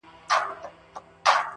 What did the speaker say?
پرې اوښتي دي وختونه او قرنونه؛